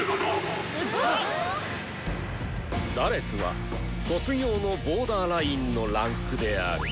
え⁉「４」は卒業のボーダーラインの位階である！